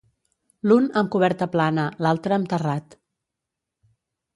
L’un amb coberta plana l’altra amb terrat.